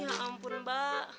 ya ampun mbak